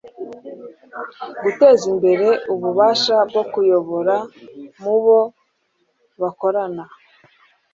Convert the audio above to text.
guteza imbere ububasha bwo kuyobora mubo bakorana